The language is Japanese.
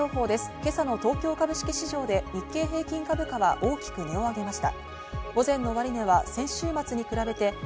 今朝の東京株式市場で日経平均株価は大きく値を上げました。